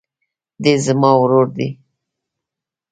دی زما ورور دئ.